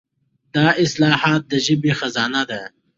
دا اصطلاحات د ژبې خزانه ده.